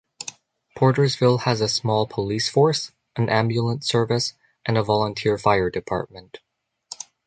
Portersville has a small police force, an ambulance service, and a volunteer fire department.